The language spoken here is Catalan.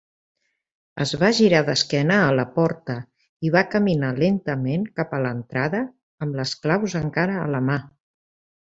Es va girar d'esquena a la porta i va caminar lentament cap a l'entrada amb les claus encara a la mà.